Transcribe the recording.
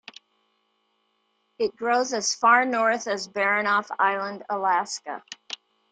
It grows as far north as Baranof Island, Alaska.